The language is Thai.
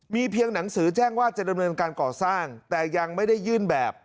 มีเพียงหนังสือแจ้งว่าจะดำเนินการก่อสร้างแต่ยังไม่ได้ยื่นแบบ